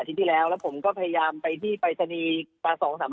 อาทิตย์ที่แล้วแล้วผมก็พยายามไปที่ปริศนีกประสงค์สาม